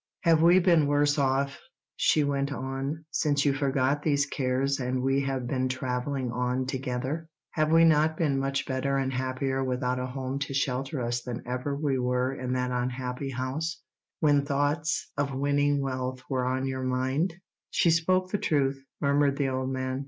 "Have we been worse off," she went on, "since you forgot these cares and we have been travelling on together? Have we not been much better and happier without a home to shelter us than ever we were in that unhappy house, when thoughts of winning wealth were on your mind?" "She speaks the truth," murmured the old man.